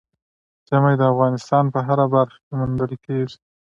ژمی د افغانستان په هره برخه کې موندل کېږي.